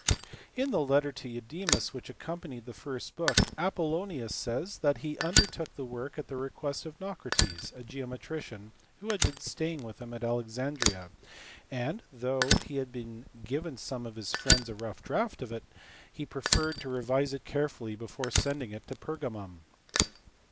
In the letter to Eudemus which accompanied the first book Apollonius says that he undertook the work at the request of Naucrates, a geometrician who had been staying with him t Alexandria, and, though he had given some of his friends a ough draft of it, he had preferred to revise it carefully before snding it to Pergamum.